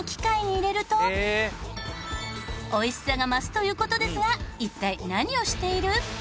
美味しさが増すという事ですが一体何をしている？